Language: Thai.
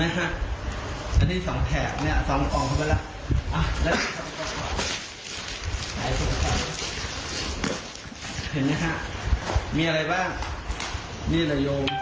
อย่างแหละ๒